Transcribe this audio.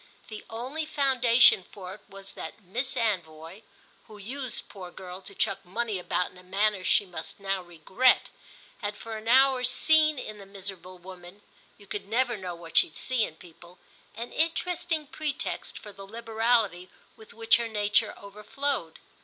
The only foundation for it was that Miss Anvoy, who used, poor girl, to chuck money about in a manner she must now regret, had for an hour seen in the miserable woman—you could never know what she'd see in people—an interesting pretext for the liberality with which her nature overflowed.